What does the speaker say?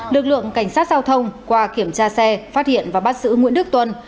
lực lượng cảnh sát giao thông qua kiểm tra xe phát hiện và bắt giữ nguyễn đức tuân